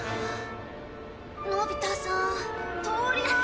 のび太さん。通ります。